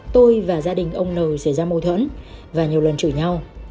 tôi và gia đình ông nồi xảy ra mâu thuẫn và nhiều lần chửi nhau